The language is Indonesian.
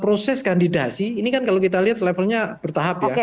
proses kandidasi ini kan kalau kita lihat levelnya bertahap ya